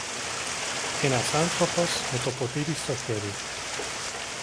Ένας άνθρωπος, με το ποτήρι στο χέρι